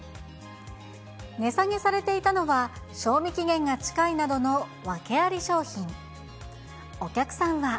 値下げされていたのは、賞味期限が近いなどのワケあり商品。